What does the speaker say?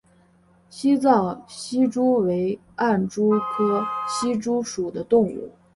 西藏隙蛛为暗蛛科隙蛛属的动物。